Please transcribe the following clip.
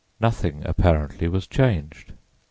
Nothing, apparently, was changed.